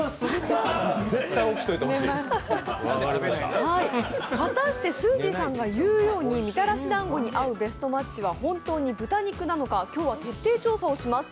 絶対起きておいてほしい果たしてすーじーさんが言うようにみたらしだんごに合うベストマッチは本当に豚肉なのか今日は徹底調査をします。